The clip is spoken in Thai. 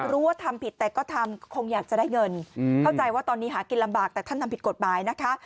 ว่าทำผิดแต่ก็ทำคงอยากจะได้เงินเข้าใจว่าตอนนี้หากินลำบากแต่ท่านทำผิดกฎหมายนะคะ